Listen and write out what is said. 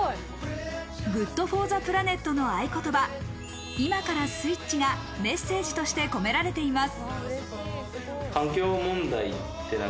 ＧｏｏｄＦｏｒｔｈｅＰｌａｎｅｔの合い言葉、「今からスイッチ」がメッセージとして込められています。